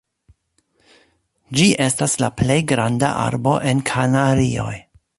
Ĝi estas la plej granda arbo en Kanarioj.